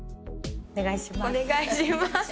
お願いします。